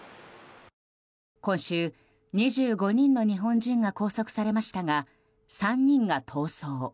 今週、２５人の日本人が拘束されましたが３人が逃走。